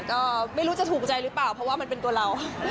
ก็ไม่รู้จะถูกใจหรือเปล่าเพราะว่ามันเป็นตัวเรา